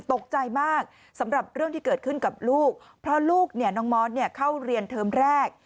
ตกใจมากสำหรับเรื่องที่เกิดขึ้นกับลูกเพราะลูกเนี่ยน้องมอสเนี่ยเข้าเรียนเทอมแรก